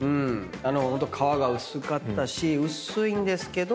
ホント皮が薄かったし薄いんですけど。